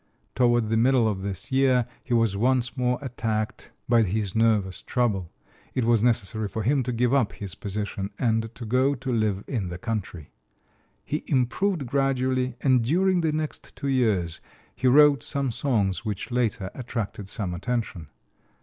Toward the middle of this year he was once more attacked by his nervous trouble. It was necessary for him to give up his position and to go to live in the country. He improved gradually, and during the next two years he wrote some songs which later attracted some attention.